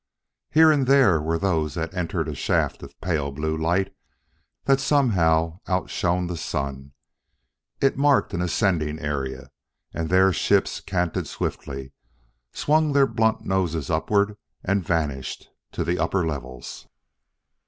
Here and there were those that entered a shaft of pale blue light that somehow outshone the sun. It marked an ascending area, and there ships canted swiftly, swung their blunt noses upward, and vanished, to the upper levels.